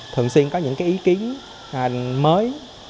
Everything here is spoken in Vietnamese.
thường xuyên có những ý kiến mới